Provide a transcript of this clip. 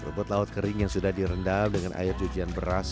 rumput laut kering yang sudah direndal dengan air cucian beras